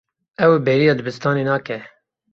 Ew bêriya dibistanê nake.